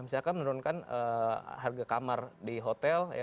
misalkan menurunkan harga kamar di hotel